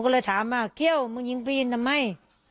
ว่ามันยิงไปยินทำไม